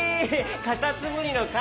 カタツムリのかんせい。